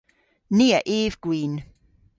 Ni a yv gwin.